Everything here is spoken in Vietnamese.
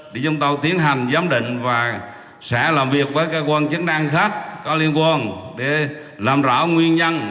để chúng tôi tiến hành giám định và sẽ làm việc với cơ quan chức năng khác có liên quan để làm rõ nguyên nhân